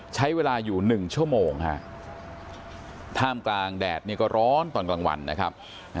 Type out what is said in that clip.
ใช้เวลาอยู่๑ชั่วโมงฮะท่ามกลางแดดนี่ก็ร้อนตอนกลางวันนะครับ